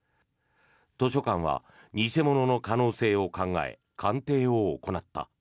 図書館は偽物の可能性を考え鑑定を行った。